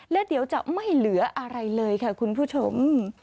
แล้วเดี๋ยวจะไม่เหลืออะไรเลยค่ะคุณผู้ชม